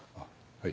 はい。